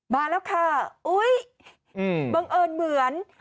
มาแล้วค่ะอุ๊ยบังเอิญเหมือน